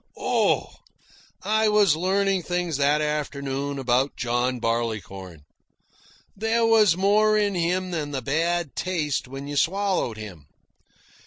Oh! I was learning things that afternoon about John Barleycorn. There was more in him than the bad taste when you swallowed him.